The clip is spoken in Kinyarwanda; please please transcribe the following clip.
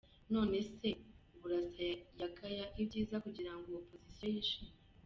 None se Burasa yagaya ibyiza kugira ngo opposition yishime ?